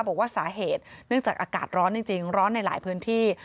บอกว่าสาเหตุเนื่องจากอากาศร้อนจริงร้อนในหลายพื้นที่